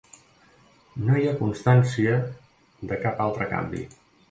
No hi ha constància de cap altre canvi.